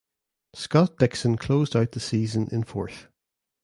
Scott Dixon closed out the season in fourth.